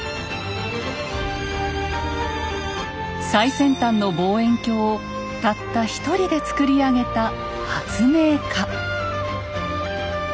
最先端の望遠鏡をたった一人で作り上げた発明家。